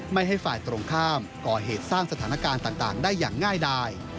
ไม่ให้ฝ่ายตรงข้ามก่อเหตุสร้างสถานการณ์ต่างได้อย่างง่ายดาย